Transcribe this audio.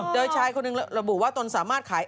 โดยชายคนหนึ่งระบุว่าตนสามารถขาย